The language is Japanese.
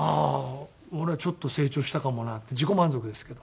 俺ちょっと成長したかもなって自己満足ですけど。